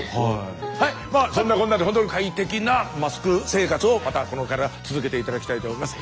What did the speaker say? まあそんなこんなでほんとに快適なマスク生活をまたこれから続けて頂きたいと思います。